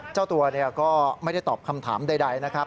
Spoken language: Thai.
เจ้าตัวก็ไม่ได้ตอบคำถามใดนะครับ